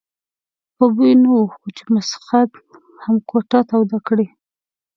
په بوی نه وو خو چې مسخد هم کوټه توده کړي.